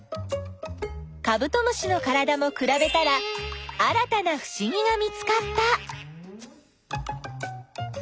カブトムシのからだもくらべたら新たなふしぎが見つかった。